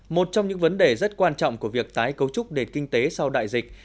một trong những vấn đề rất quan trọng của việc tái cấu trúc đề kinh tế sau đại dịch